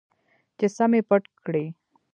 چې سم مې پټ کړي.